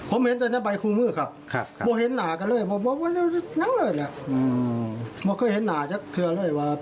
ผมว่าสามหมื่นกว่าผลไปต่อไปได้สามหมื่นสาม